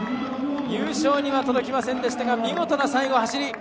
優勝には届きませんでしたが見事な最後、走り。